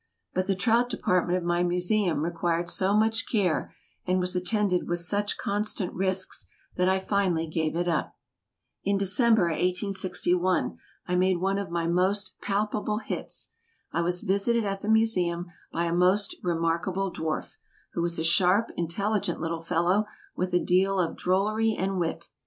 But the trout department of my Museum required so much care, and was attended with such constant risks, that I finally gave it up. In December, 1861, I made one of my most "palpable hits." I was visited at the Museum by a most remarkable dwarf, who was a sharp, intelligent little fellow, with a deal of drollery and wit.